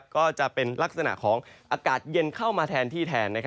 ก็จะเป็นลักษณะของอากาศเย็นเข้ามาแทนที่แทน